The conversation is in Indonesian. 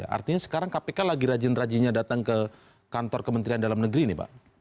artinya sekarang kpk lagi rajin rajinnya datang ke kantor kementerian dalam negeri nih pak